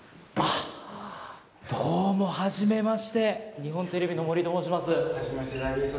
どうもはじめまして、日本テレビの森と申します。